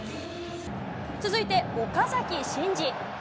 続いて岡崎慎司。